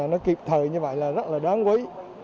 nó kịp thời như vậy là rất là đáng quý